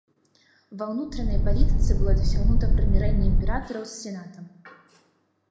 Ва ўнутранай палітыцы было дасягнута прымірэнне імператараў з сенатам.